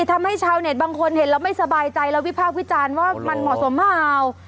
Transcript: ทำให้ชาวเน็ตบางคนเห็นแล้วไม่สบายใจแล้ววิพากษ์วิจารณ์ว่ามันเหมาะสมหรือเปล่า